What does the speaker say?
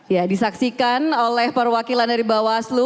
ya disaksikan oleh perwakilan dari bawaslu